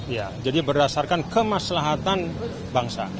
ya jadi berdasarkan kemaslahatan bangsa